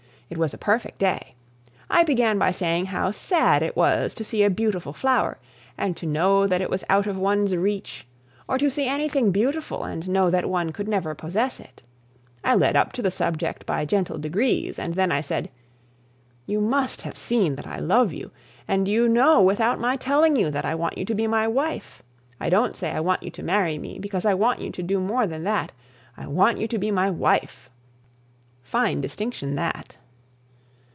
It was a perfect day. I began by saying how sad it was to see a beautiful flower and to know that it was out of one's reach, or to see anything beautiful and know that one never could possess it. I led up to the subject by gentle degrees, and then I said: 'You must have seen that I love you, and you know without my telling you, that I want you to be my wife. I don't say I want you to marry me, because I want you to do more than that I want you to be my wife.' (Fine distinction that!)